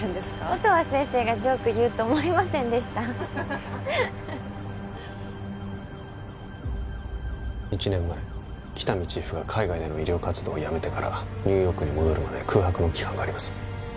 音羽先生がジョーク言うと思いませんでした一年前喜多見チーフが海外での医療活動を辞めてからニューヨークに戻るまで空白の期間があります